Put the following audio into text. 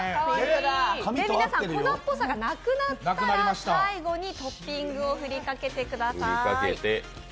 粉っぽさがなくなったら最後にトッピングを振りかけてください。